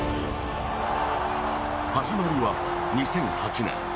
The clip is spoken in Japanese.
始まりは、２００８年。